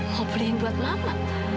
mau beliin buat mama